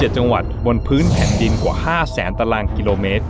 ๗จังหวัดบนพื้นแผ่นดินกว่า๕แสนตารางกิโลเมตร